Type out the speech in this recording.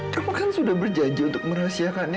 kamu kan sudah berjanji untuk merahasiakannya